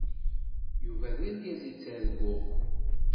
Yuba d argaz i ttarguɣ.